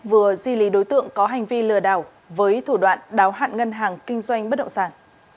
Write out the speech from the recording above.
vừa di lý đối tượng có hành vi lừa đảo với thủ đoạn đáo hạn ngân hàng kinh doanh bất động sản